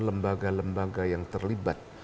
lembaga lembaga yang terlibat